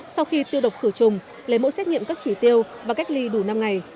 sau khi tiêu độc khử trùng lấy mẫu xét nghiệm các chỉ tiêu và cách ly đủ năm ngày